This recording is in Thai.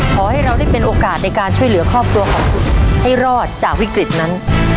ขอให้เราได้เป็นโอกาสในการช่วยเหลือครอบครัวของคุณให้รอดจากวิกฤตนั้น